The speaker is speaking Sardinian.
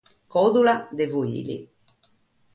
Còdula de Fùili.